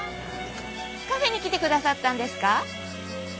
カフェに来てくださったんですか？